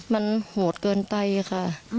มันโหดเกินไปค่ะ